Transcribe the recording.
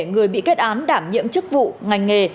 bảy người bị kết án đảm nhiệm chức vụ ngành nghề